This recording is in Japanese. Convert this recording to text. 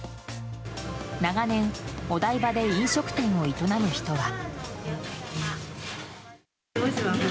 長年、お台場で飲食店を営む人は。